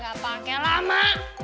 gak pake lama